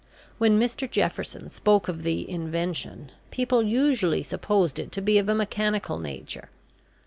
When Mr Jefferson spoke of the Invention, people usually supposed it to be of a mechanical nature.